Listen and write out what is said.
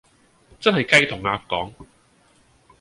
真係雞同鴨講